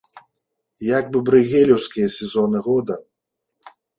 Як бы брэйгелеўскія сезоны года.